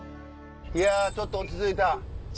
いやちょっと落ち着いた。